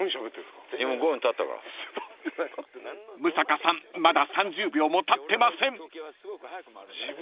［六平さんまだ３０秒もたってません］